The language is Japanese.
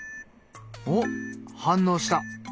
おっ反応した。